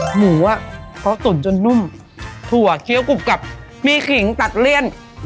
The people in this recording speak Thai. หมูอ่ะเขาตุ๋นจนนุ่มถั่วเคี้ยวกรุบกับมีขิงตัดเลี่ยน